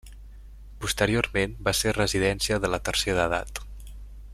Posteriorment va ser residència de la tercera edat.